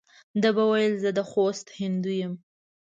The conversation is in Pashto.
ده به ویل زه د خوست هندو یم.